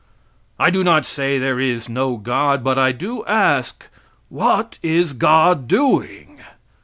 I do not say there is no God, but I do ask, what is God doing?